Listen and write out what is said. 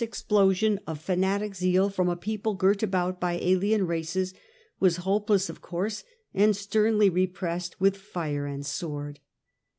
47 explosion of fanatic zeal from a people girt about by alien races was hopeless, of course, and sternly repressed with fire and sword.